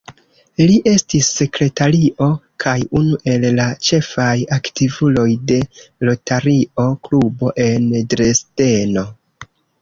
Li estis sekretario kaj unu el la ĉefaj aktivuloj de Rotario-klubo en Dresdeno.